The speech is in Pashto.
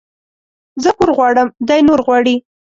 زه پور غواړم ، دى نور غواړي.